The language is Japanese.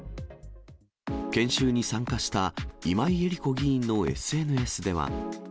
研修に参加した今井絵理子議員のＳＮＳでは。